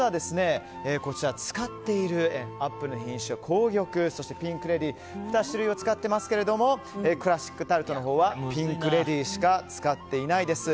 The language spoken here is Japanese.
使っているアップルの品種は紅玉、そしてピンクレディーという２種類を使っていますがクラシックタルトのほうはピンクレディーしか使っていないです。